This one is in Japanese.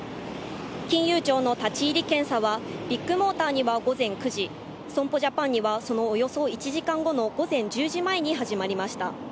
金融庁の立ち入り検査は、ビッグモーターには午前９時、損保ジャパンにはそのおよそ１時間後の午前１０時前に始まりました。